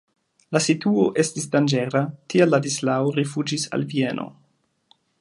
La situo estis danĝera, tial Ladislao rifuĝis al Vieno.